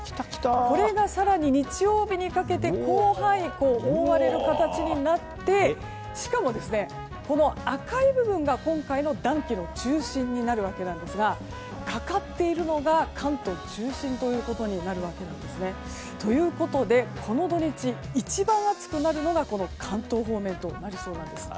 これが更に日曜日にかけて広範囲が覆われる形になってしかも、赤い部分が今回の暖気の中心になるわけなんですがかかっているのが、関東中心ということになるわけなんです。ということで、この土日一番暑くなるのがこの関東方面となりそうなんです。